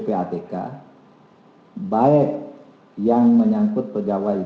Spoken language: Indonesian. dan yang lainnya baik yang menyangkut pejabat